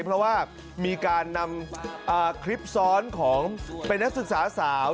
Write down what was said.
เพราะว่ามีการนำคลิปซ้อนของเป็นนักศึกษาสาว